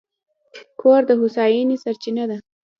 کور د هوساینې سرچینه ده.